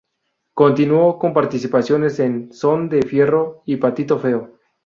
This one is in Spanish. Continuó con participaciones en "Son de Fierro" y "Patito feo".